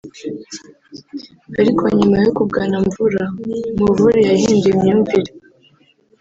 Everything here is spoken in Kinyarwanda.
ariko nyuma yo kugana Mvura nkuvure yahinduye imyumvire